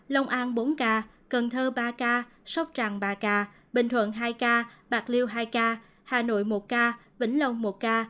long an bốn ca cần thơ ba ca sóc trăng ba ca bình thuận hai ca bạc liêu hai ca hà nội một ca vĩnh long một ca